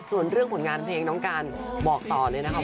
ส่วนเรื่องผลงานเพลงน้องการบอกต่อเลยนะคะ